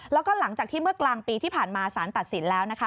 แล้วก็หลังจากที่เมื่อกลางปีที่ผ่านมาสารตัดสินแล้วนะคะ